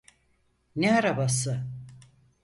Ne arabası?